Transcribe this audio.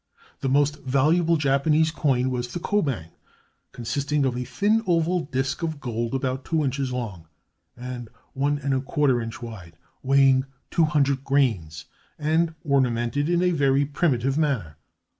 The most valuable Japanese coin was the kobang, consisting of a thin oval disk of gold about two inches long, and one and a quarter inch wide, weighing two hundred grains, and ornamented in a very primitive manner.